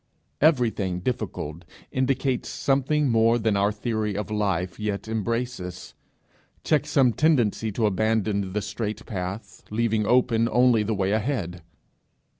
Everything difficult indicates something more than our theory of life yet embraces, checks some tendency to abandon the strait path, leaving open only the way ahead.